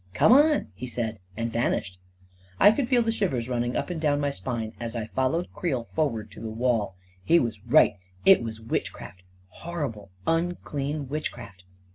" Come on! " he said, and vanished. I could feel the shivers running up and down my spine as I followed Creel forward to the wall — he was right — it was witchcraft — horrible, unclean witchcraft